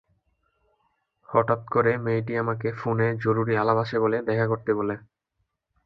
হঠাৎ করে মেয়েটি আমাকে ফোনে জরুরি আলাপ আছে বলে দেখা করতে বলে।